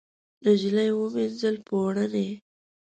نجلۍ ومینځل پوړني